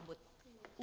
kartu kredit dicabut